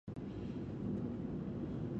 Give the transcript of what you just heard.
کابل ته برېښنا رسیږي.